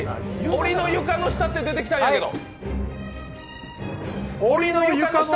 おりの床の下って出てきたんやけど。